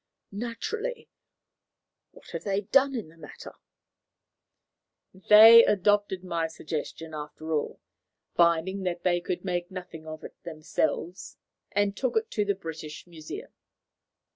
"Naturally. What have they done in the matter?" "They adopted my suggestion, after all, finding that they could make nothing of it themselves, and took it to the British Museum.